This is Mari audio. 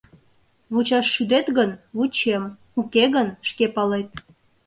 Вучаш шӱдет гын, вучем, уке гын, шке палет.